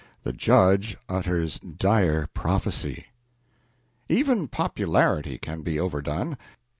The Judge Utters Dire Prophecy. Even popularity can be overdone.